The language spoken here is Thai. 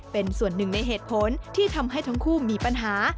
เป็นส่วนหนึ่งในเหตุผลที่ทำให้ทั้งคู่มีปัญหา